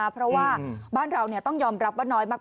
เพราะว่าบ้านเราต้องยอมรับว่าน้อยมาก